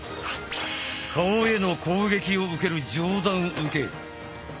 顔への攻撃を受ける上段受け。